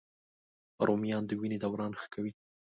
رومیان د وینې دوران ښه کوي